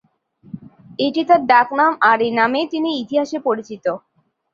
এটি তার ডাক নাম আর এ নামেই তিনি ইতিহাসে পরিচিত।